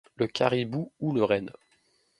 Le caribou ou le renne